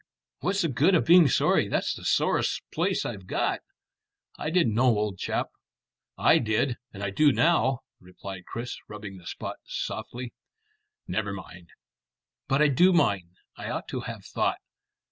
"What's the good of being sorry? That's the sorest place I've got." "I didn't know, old chap." "I did; and I do now," replied Chris, rubbing the spot softly. "Never mind." "But I do mind. I ought to have thought.